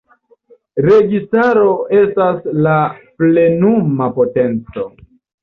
Registaro estas la plenuma potenco.